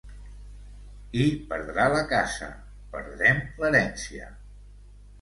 I perdrà la casa, perdrem l'herència...